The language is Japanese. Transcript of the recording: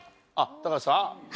高橋さん。